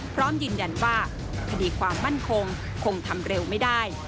พร้อมยืนยันว่าคดีความมั่นคงคงทำเร็วไม่ได้